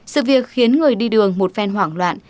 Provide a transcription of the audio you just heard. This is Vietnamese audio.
sự việc khiến người đi đường một phen hoảng loạn